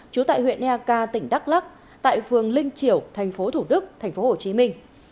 trú tại huyện eak tỉnh đắk lắc tại phường linh triểu thành phố thủ đức thành phố hồ chí minh